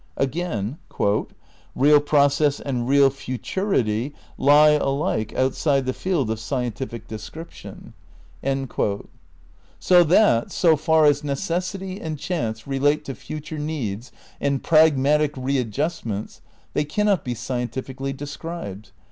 Again : "Real process and real futurity lie alike outside the field of scientific description," 154 THE NEW IDEALISM iv so that, so far as necessity and chance relate to future needs and pragmatic readjustments they cannot be sci entifically described.